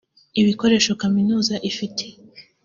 ibikoresho Kaminuza ifite